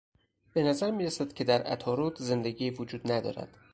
به نظر میرسد که در عطارد زندگی وجود ندارد.